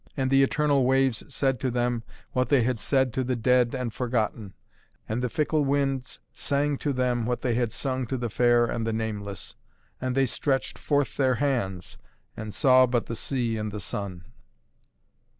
And the eternal waves said to them what they had said to the dead and forgotten; and the fickle winds sang to them what they had sung to the fair and the nameless, and they stretched forth their hands, and saw but the sea and the sun.